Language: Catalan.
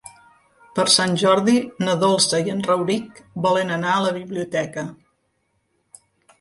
Per Sant Jordi na Dolça i en Rauric volen anar a la biblioteca.